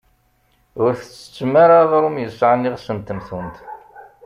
Ur tettettem ara aɣrum yesɛan iɣes n temtunt.